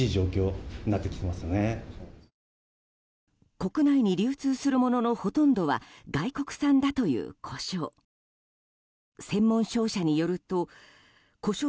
国内に流通するもののほとんどは外国産だというコショウ。